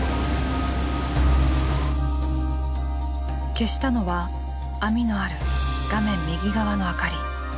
消したのは網のある画面右側の明かり。